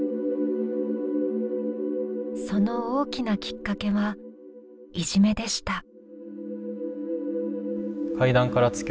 その大きなきっかけはいじめでした。